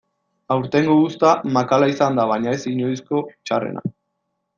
Aurtengo uzta makala izan da baina ez inoizko txarrena.